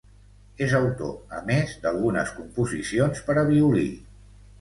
És autor, a més, d'algunes composicions per a violí.